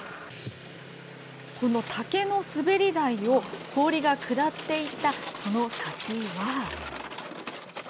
この竹の滑り台を、氷が下っていったその先は。